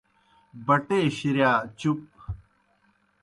بٹے شِرِیا چُپ